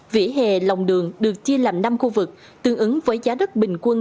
vỉa hè lòng đường được chia làm năm khu vực tương ứng với giá đất bình quân